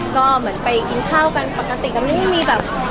ก็เหมือนไปกินข้าวกันปกติก็ไม่มีแบบ